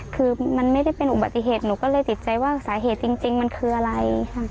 คือมันไม่ได้เป็นอุบัติเหตุหนูก็เลยติดใจว่าสาเหตุจริงมันคืออะไร